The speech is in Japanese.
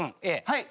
はい。